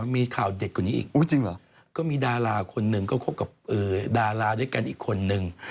มีข่าวเด็ดกว่านี้อีกก็มีดาราคนหนึ่งก็คบกับดาราด้วยกันอีกคนนึง